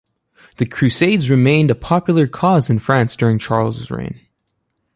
The crusades remained a popular cause in France during Charles' reign.